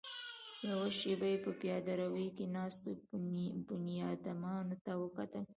يوه شېبه يې په پياده رو کې ناستو بنيادمانو ته وکتل.